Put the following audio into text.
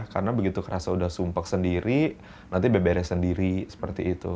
karena begitu kerasa udah sumpuk sendiri nanti beberes sendiri seperti itu